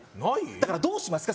だからどうしますか？